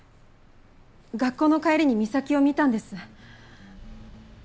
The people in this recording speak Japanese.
学校の帰りに岬を見たんです。